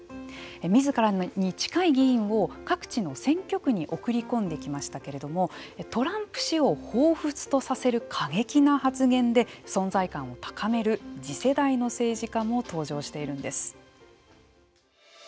みずからに近い議員を各地の選挙区に送り込んできましたけれどもトランプ氏をほうふつとさせる発言で存在感を高める次世代の政治家も登場しているんです。